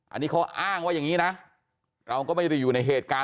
อันนี้เขาอ้างว่าอย่างนี้นะเราก็ไม่ได้อยู่ในเหตุการณ์